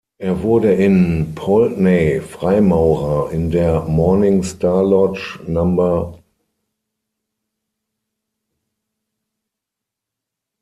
Er wurde in Poultney Freimaurer in der Morning Star Lodge No.